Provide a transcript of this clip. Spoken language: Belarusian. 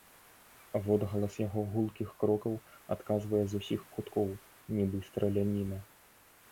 Водгалас яго гулкіх крокаў адказвае з усіх куткоў, нібы страляніна.